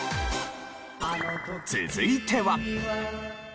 続いては。